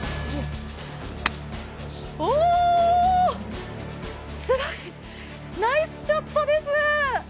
おー、すごい。ナイスショットです。